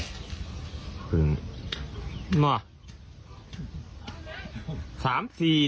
ภึ่งอยู่ไหน